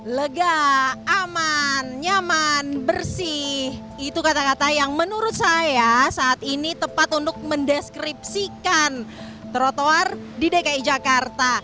lega aman nyaman bersih itu kata kata yang menurut saya saat ini tepat untuk mendeskripsikan trotoar di dki jakarta